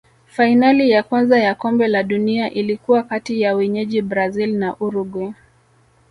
fainali ya kwanza ya kombe la dunia ilikuwa kati ya wenyeji brazil na uruguay